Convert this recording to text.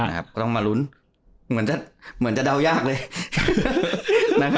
นะครับก็ต้องมาลุ้นเหมือนจะเดายากเลย